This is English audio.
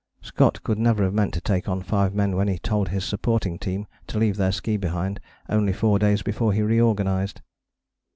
Scott could never have meant to take on five men when he told his supporting team to leave their ski behind, only four days before he reorganized.